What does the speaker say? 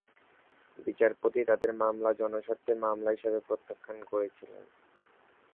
বিচারপতি তাদের মামলা জনস্বার্থ মামলা হিসাবে প্রত্যাখ্যান করেছিলেন।